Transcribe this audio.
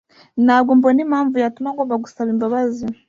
ntabwo mbona impamvu yatuma ngomba gusaba imbabazi